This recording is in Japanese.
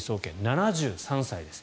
７３歳です。